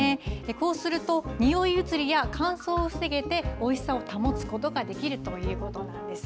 こうするとにおい移りや乾燥を防げておいしさを保つことができるということなんです。